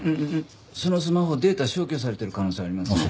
そのスマホデータ消去されてる可能性ありますね。